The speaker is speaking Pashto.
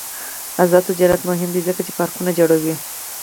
آزاد تجارت مهم دی ځکه چې پارکونه جوړوي.